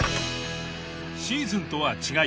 シーズンとは違い